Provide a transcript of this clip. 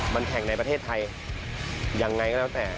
มันแข่งในประเทศไทยยังไงก็แล้วแต่